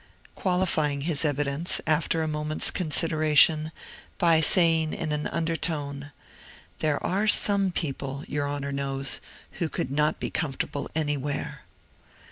qualifying his evidence, after a moment's consideration, by saying in an undertone, "There are some people, your Honor knows, who could not be comfortable anywhere."